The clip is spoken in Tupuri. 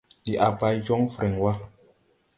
Ndi a bay jɔŋ frɛŋ wà.